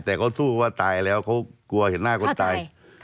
แต่เขาสู้ว่าตายแล้วเขากลัวเห็นหน้าคนตาย